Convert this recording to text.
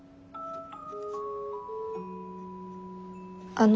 あの。